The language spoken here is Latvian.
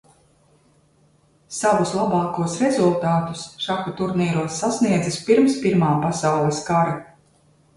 Savus labākos rezultātus šaha turnīros sasniedzis pirms Pirmā pasaules kara.